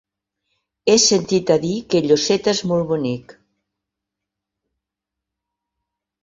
He sentit a dir que Lloseta és molt bonic.